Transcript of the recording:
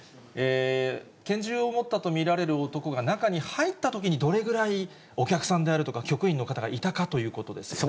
拳銃を持ったと見られる男が中に入ったときにどれぐらいお客さんであるとか、局員の方がいたかということですよね。